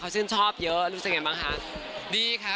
เขาชื่นชอบเยอะรู้สึกยังไงบ้างคะ